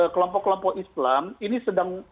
kelompok kelompok islam ini sedang